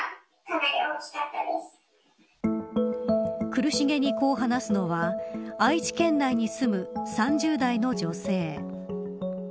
苦しげにこう話すのは愛知県内に住む３０代の女性。